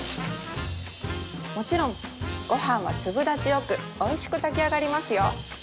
もちろんご飯は粒立ちよくおいしく炊きあがりますよ